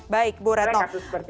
baik bu renok